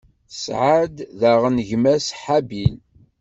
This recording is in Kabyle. Tesɛa-d daɣen gma-s, Habil.